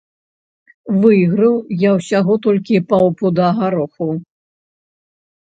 Выйграў я ўсяго толькі паўпуда гароху.